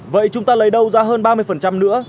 vậy chúng ta lấy đâu ra hơn ba mươi nữa